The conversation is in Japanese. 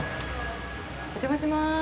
お邪魔します。